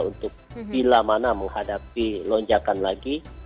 untuk bila mana menghadapi lonjakan lagi